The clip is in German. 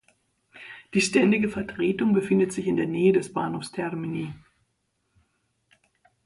Die Ständige Vertretung befindet sich in der Nähe des Bahnhofs Termini.